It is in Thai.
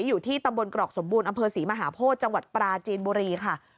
อยู่ที่ตำบลกรอกสมบูรณ์อำเภอศรีมหาโพธิจังหวัดปราจีนบุรีค่ะ